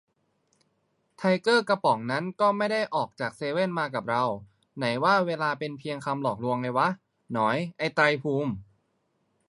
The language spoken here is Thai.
ไทเกอร์กระป๋องนั้นก็ไม่ได้ออกจากเซเว่นมากับเรา : ไหนว่าเวลาเป็นเพียงคำหลอกไงวะ หนอยไอ้ไตรภูมิ